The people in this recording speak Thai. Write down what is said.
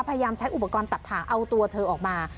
พยายามใช้อุปกรณ์ตัดถาเอาตัวเธอออกมา